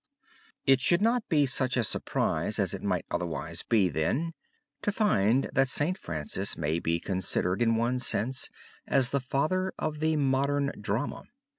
It should not be such a surprise as it might otherwise be, then, to find that St. Francis may be considered in one sense as the father of the modern drama.